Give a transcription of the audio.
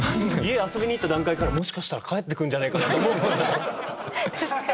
家遊びに行った段階からもしかしたら帰ってくんじゃねえかなって思うもんね。